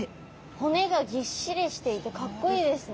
骨がぎっしりしていてかっこいいですね！